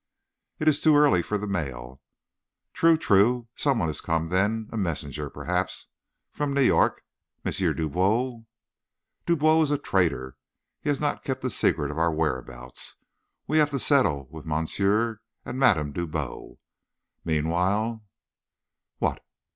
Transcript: "It is too early for the mail." "True, true. Some one has come, then; a messenger, perhaps, from New York. M. Dubois " "Dubois is a traitor. He has not kept the secret of our whereabouts. We have to settle with Monsieur and Madame Dubois, meanwhile " "What?"